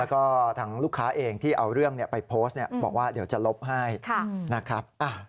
แล้วก็ทางลูกค้าเองที่เอาเรื่องไปโพสต์บอกว่าเดี๋ยวจะลบให้นะครับ